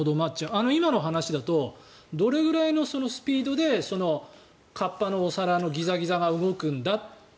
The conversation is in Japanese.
今の話だとどれくらいのスピードで河童のお皿のギザギザが動くんだって。